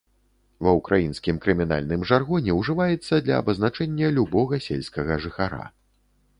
Ва ўкраінскім крымінальным жаргоне ўжываецца для абазначэння любога сельскага жыхара.